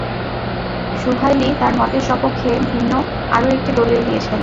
সুহায়লী তাঁর মতের সপক্ষে ভিন্ন আরও একটি দলীল দিয়েছেন।